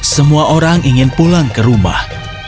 semua orang ingin pulang ke rumah